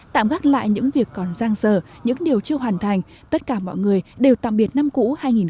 tạm gác lại những việc còn giang dở những điều chưa hoàn thành tất cả mọi người đều tạm biệt năm cũ hai nghìn một mươi chín